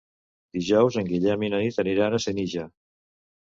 Dijous en Guillem i na Nit aniran a Senija.